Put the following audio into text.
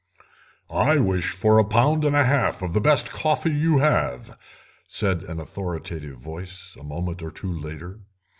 "I wish for a pound and a half of the best coffee you have," said an authoritative voice a moment or two later.